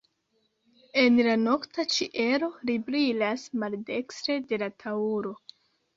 En la nokta ĉielo li brilas maldekstre de la Taŭro.